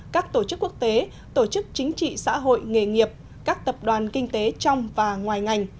các tổ chức quốc tế tổ chức chính trị xã hội nghề nghiệp các tập đoàn kinh tế trong và ngoài ngành